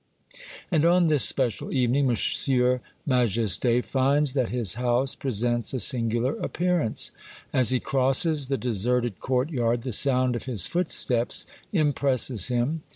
And on this special evening M. Majesty finds that his house presents a singular appearance. As he crosses the deserted courtyard the sound of his footsteps impresses him.